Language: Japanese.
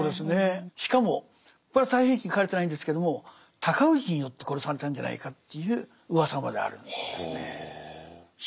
しかもこれは「太平記」に書かれてないんですけども尊氏によって殺されたんじゃないかといううわさまであるんですね。は。